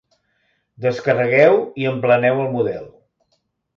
Descarregueu i empleneu el model.